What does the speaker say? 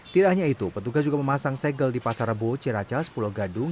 tidak hanya itu petugas juga memasang segel di pasar rebo ciracas pulau gadung